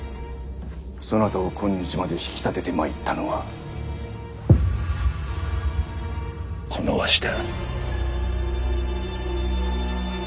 そなたを今日まで引き立ててまいったのはこのわしだ。